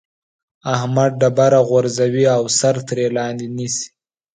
احمد ډبره غورځوي او سر ترې لاندې نيسي.